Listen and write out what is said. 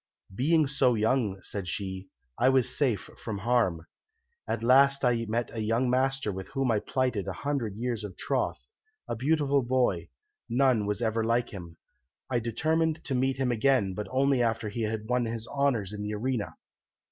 "Being so young," said she, "I was safe from harm. At last I met a young master with whom I plighted a hundred years of troth, a beautiful boy, none was ever like him. I determined to meet him again, but only after he had won his honours in the arena.